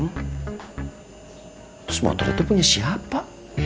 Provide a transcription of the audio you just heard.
terus motor itu punya siapa